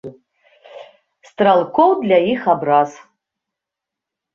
Стралкоў для іх абраз.